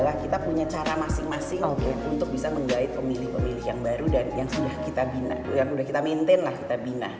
jadi kita punya cara masing masing untuk bisa menggait pemilih pemilih yang baru dan yang sudah kita bina yang sudah kita maintain lah kita bina